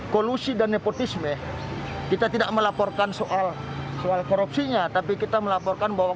kolusi dan nepotisme kita tidak melaporkan soal soal korupsinya tapi kita melaporkan bahwa